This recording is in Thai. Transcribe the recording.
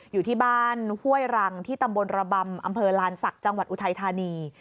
อยู่ที่บ้านห้วยรังที่ตำบลระบำอำเภอลานศักดิ์จังหวัดอุทัยธานี